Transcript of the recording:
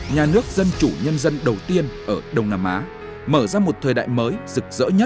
nhà nước dân chủ nhân dân đầu tiên ở đông nam á